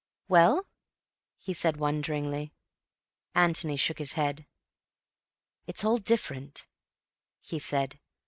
"Well?" he said wonderingly. Antony shook his head. "It's all different," he said.